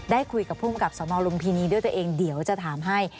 ได้คุยกับผู้มกับสวทมาศรุงภินีด้วยตัวเองเดี๋ยวจะถามให้